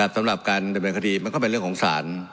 สำหรับการดำเนินคดีมันก็เป็นเรื่องของศาล